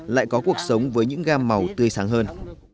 lại có cuộc sống với những gam màu tươi sáng hơn